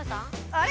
あれ？